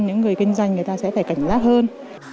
những người kinh doanh người ta sẽ phải cảnh giác hơn